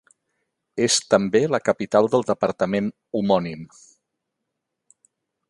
És també la capital del departament homònim.